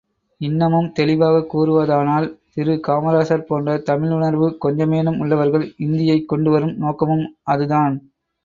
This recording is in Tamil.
இன்னமும் தெளிவாகக் கூறுவதானால், திரு காமராசர் போன்ற தமிழுணர்வு கொஞ்சமேனும் உள்ளவர்கள், இந்தியைக் கொண்டுவரும் நோக்கமும் அதுதான்.